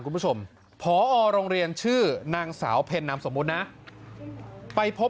คุณผู้ชมพอโรงเรียนชื่อนางสาวเพ็ญนามสมมุตินะไปพบ